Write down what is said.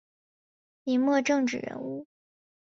明末政治人物。